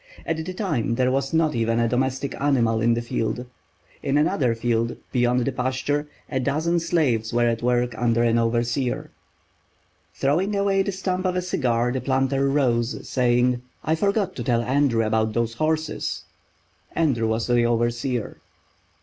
At the time there was not even a domestic animal in the field. In another field, beyond the pasture, a dozen slaves were at work under an overseer. Throwing away the stump of a cigar, the planter rose, saying: "I forgot to tell Andrew about those horses." Andrew was the overseer.